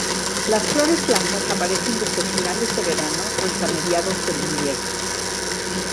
Las flores blancas aparecen desde finales de verano hasta mediados del invierno.